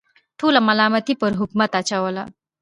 ټوله ملامتي پر حکومت اچوله.